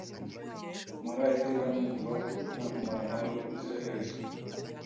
mpora iteka numva nagumana nawe ubuziraherezo